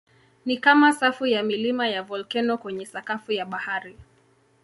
Ni kama safu ya milima ya volkeno kwenye sakafu ya bahari.